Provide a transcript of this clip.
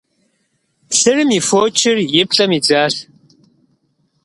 Плъырым и фочыр и плӀэм идзащ.